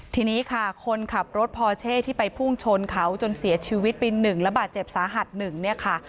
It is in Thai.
ทีนี้ค่ะคนขับรถพอเช่ที่ไปพุ่งชนเขาจนเสียชีวิตไป๑และบาดเจ็บสาหัส๑เนี่ยค่ะ